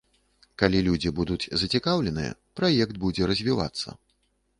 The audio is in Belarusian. Калі людзі будуць зацікаўленыя, праект будзе развівацца.